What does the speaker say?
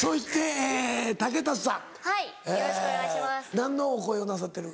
何のお声をなさってる？